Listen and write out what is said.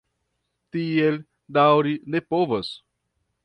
Tiel daŭri ne povas!